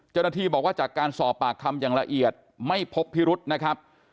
เจ้าหน้าที่บอกว่าจากการสอบปากคำอย่างละเอียดไม่พบพิรุษนะครับ